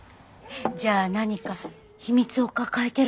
じゃあ何か秘密を抱えてるんじゃない？